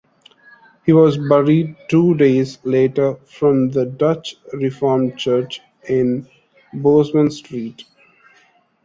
He was buried two days later from the Dutch Reformed Church in Bosman Street.